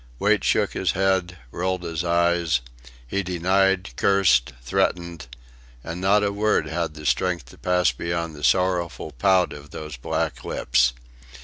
Wait shook his head; rolled his eyes; he denied, cursed, threatened and not a word had the strength to pass beyond the sorrowful pout of those black lips.